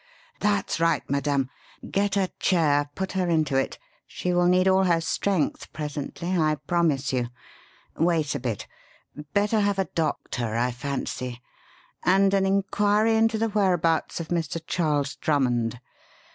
"That's right, madame. Get a chair; put her into it. She will need all her strength presently, I promise you. Wait a bit! Better have a doctor, I fancy, and an inquiry into the whereabouts of Mr. Charles Drummond.